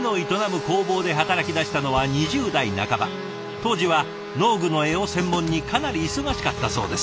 当時は農具の柄を専門にかなり忙しかったそうです。